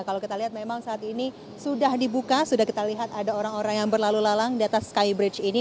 kalau kita lihat memang saat ini sudah dibuka sudah kita lihat ada orang orang yang berlalu lalang di atas skybridge ini